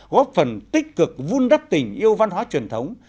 góp phần tích cực vun đắp tình yêu văn hóa truyền thống